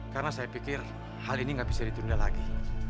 karena saya pikir hal ini gak bisa ditunda lagi